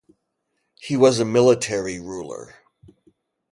He was a military ruler.